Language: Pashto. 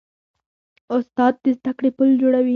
استاد د زدهکړې پل جوړوي.